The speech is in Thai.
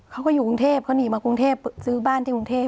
เขาก็อยู่กรุงเทพเขาหนีมากรุงเทพซื้อบ้านที่กรุงเทพ